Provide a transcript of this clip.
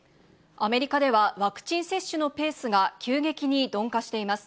アメリカでは、ワクチン接種のペースが急激に鈍化しています。